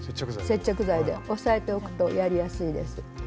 接着剤で押さえておくとやりやすいです。